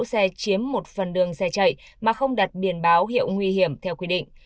xe chiếm một phần đường xe chạy mà không đặt biển báo hiệu nguy hiểm theo quy định